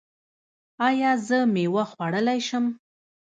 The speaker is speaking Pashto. ایا زه میوه خوړلی شم؟